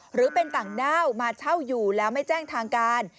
หรือเป็นต่างด้าวมาเช่าอยู่แล้วไม่แจ้งทางการ